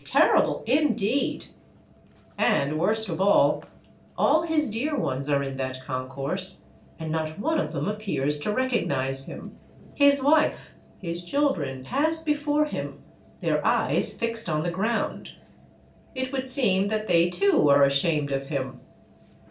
Terrible indeed ! And, worst of all, all his dear ones are in that concourse, and not one of them appears to recognize him. His wife, his children, pass before him, their eyes fixed on the ground. It would seem that they too are ashamed of him